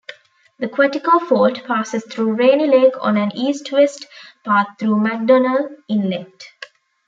The Quetico Fault passes through Rainy Lake on an east-west path through McDonald Inlet.